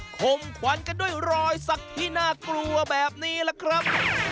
คมขวัญกันด้วยรอยสักที่น่ากลัวแบบนี้ล่ะครับ